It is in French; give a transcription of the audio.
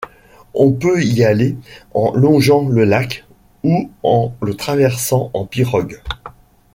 On peut y aller en longeant le lac ou en le traversant en pirogue.